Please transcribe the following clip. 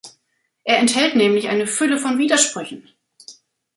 Er enthält nämlich eine Fülle von Widersprüchen.